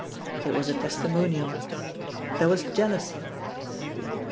It was a testimonial. There was jealousy.